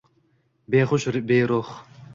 Behush, beruh